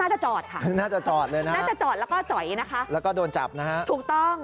น่าจะจอดค่ะน่าจะจอดแล้วก็จอยนะคะถูกต้อง